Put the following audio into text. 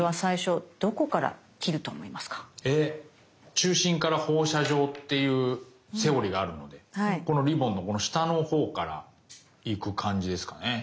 中心から放射状っていうセオリーがあるのでこのリボンの下のほうから行く感じですかね。